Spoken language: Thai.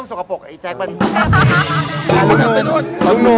นี่เขาให้แล้วนะ